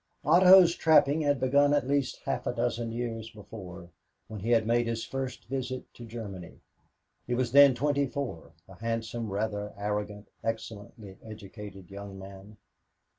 Otto's trapping had begun at least half a dozen years before, when he had made his first visit to Germany. He was then twenty four, a handsome, rather arrogant, excellently educated young man.